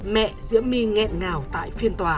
mẹ diễm my nghẹn ngào tại phiên tòa